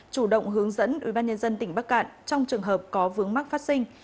chủ động hướng dẫn ubnd tỉnh bắc cạn trong trường hợp có vướng mắc phát sinh